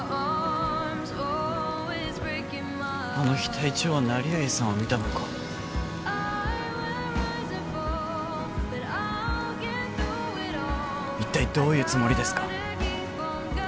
あの日隊長は成合さんを見たのか一体どういうつもりですか？